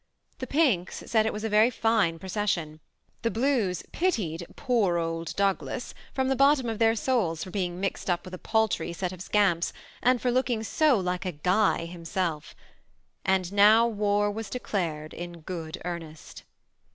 The Pinks said it was « Yery fine proeession ; the Blues pitied ^ poor old Doug^ las " from the bottom of thur soids, for beii^ mixed up with a paltry set of scamps, and for looking so '*like a guy himself. And now war was declared in good earnest.